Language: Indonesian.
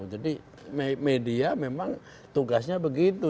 jadi media memang tugasnya begitu